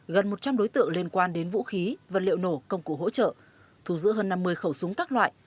gần một trăm linh đối tượng liên quan đến vũ khí vật liệu nổ công cụ hỗ trợ thù giữ hơn năm mươi khẩu súng các loại